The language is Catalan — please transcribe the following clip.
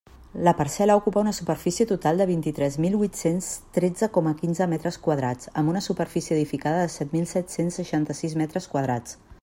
La parcel·la ocupa una superfície total de vint-i-tres mil huit-cents tretze coma quinze metres quadrats amb una superfície edificada de set mil set-cents seixanta-sis metres quadrats.